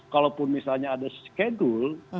kalaupun misalnya ada skedul